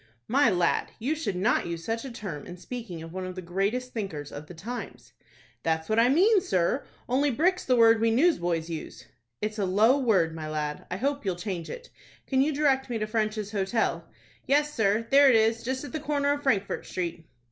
"My lad, you should not use such a term in speaking of one of the greatest thinkers of the times." "That's what I mean, sir; only brick's the word we newsboys use." "It's a low word, my lad; I hope you'll change it. Can you direct me to French's Hotel?" "Yes, sir; there it is, just at the corner of Frankfort Street."